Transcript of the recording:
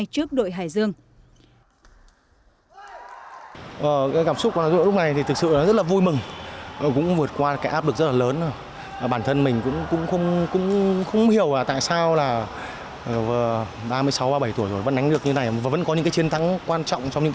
trước đội hải dương